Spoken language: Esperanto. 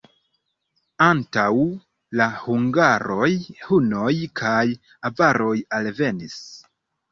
Antaŭ la hungaroj hunoj kaj avaroj alvenis.